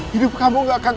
hidup kamu gak akan tenang